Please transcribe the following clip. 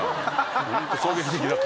ホント衝撃的だった。